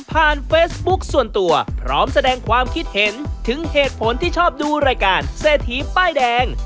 เฟซบุ๊คส่วนตัวพร้อมแสดงความคิดเห็นถึงเหตุผลที่ชอบดูรายการเศรษฐีป้ายแดง